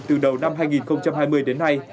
từ đầu năm hai nghìn hai mươi đến nay